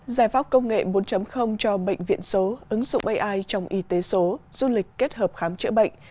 giải pháp công nghệ bốn cho bệnh viện số ứng dụng ai trong y tế số du lịch kết hợp khám chữa bệnh